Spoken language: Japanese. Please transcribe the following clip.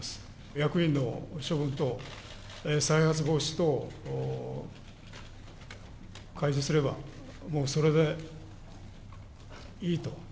役員の処分と再発防止等、開示すれば、もうそれでいいと。